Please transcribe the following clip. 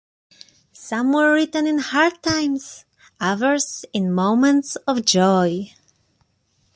Some were written in hard times, others in moments of joy.